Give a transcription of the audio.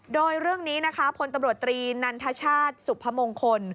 โดยเรื่องนี้นะคะพลตำรวจตรีนันทชาติสุพมงคล